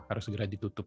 harus segera ditutup